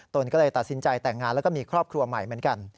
นก็เลยตัดสินใจแต่งงานแล้วก็มีครอบครัวใหม่เหมือนกัน